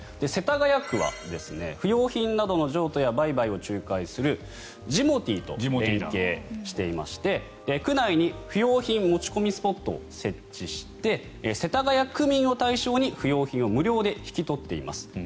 世田谷区は不要品などの譲渡や売買を仲介するジモティーと連携していまして区内に不要品持ち込みスポットを設置して世田谷区民を対象に不要品を無料で引き取っています。